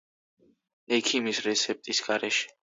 ექიმის რეცეპტის გარეშე!